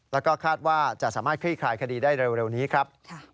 แล้วก็คาดว่าจะสามารถคลี่คลายคดีได้เร็วนี้ครับ